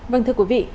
vâng thưa quý vị